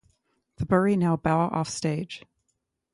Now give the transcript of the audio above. The Buri now bow off stage.